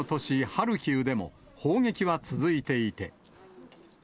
ハルキウでも砲撃は続いていて。